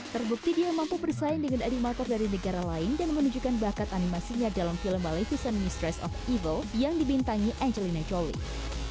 terbukti dia mampu bersaing dengan animator dari negara lain dan menunjukkan bakat animasinya dalam film balik visa ministries of evil yang dibintangi angelina jolie